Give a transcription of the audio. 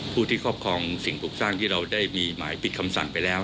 ผู้ที่ครอบครองสิ่งปลูกสร้างที่เราได้มีหมายปิดคำสั่งไปแล้ว